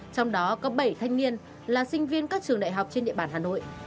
trong đó có bảy thanh niên là sinh viên các trường đại học trên địa bàn hà nội